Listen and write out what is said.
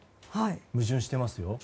矛盾していますよ。